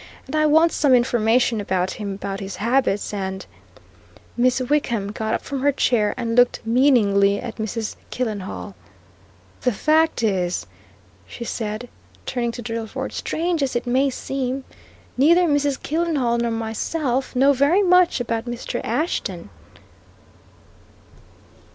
And I want some information about him, about his habits and " Miss Wickham got up from her chair and looked meaningly at Mrs. Killenhall. "The fact is," she said, turning to Drillford; "strange as it may seem, neither Mrs. Killenhall nor myself know very much about Mr. Ashton." CHAPTER III WHO WAS MR. ASHTON?